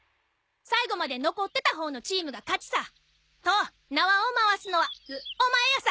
最後まで残ってたほうのチームが勝ちさ。と縄を回すのはオマエやさ。